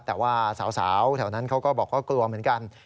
แต่ว่าสาวแถวนั้นเขาก็บอกว่ากลัวเหมือนกัน